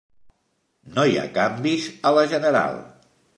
No hi ha canvis a la general.